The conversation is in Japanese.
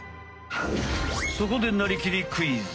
そこでなりきりクイズ！